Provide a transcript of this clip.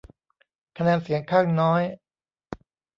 คะแนนเสียงข้างน้อย